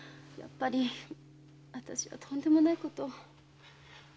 やっぱり私はとんでもないことを。